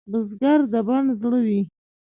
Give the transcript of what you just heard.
بزګر د بڼ زړه وي